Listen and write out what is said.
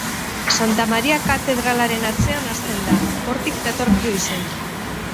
Santa Maria katedralaren atzean hasten da, hortik datorkio izena.